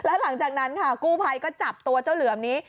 แล้วหลังจากนั้นค่ะกู้ภัยก็จับตัวเจ้าเหลือมนี้